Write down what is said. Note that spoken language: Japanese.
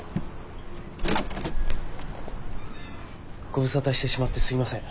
ご無沙汰してしまってすみません。